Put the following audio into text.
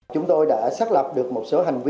chúng tôi đã xác lập được một số hành vi